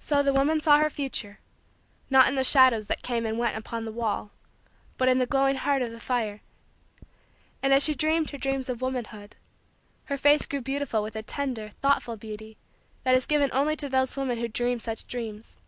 So the woman saw her future, not in the shadows that came and went upon the wall, but in the glowing heart of the fire. And, as she dreamed her dreams of womanhood, her face grew beautiful with a tender, thoughtful, beauty that is given only to those women who dream such dreams.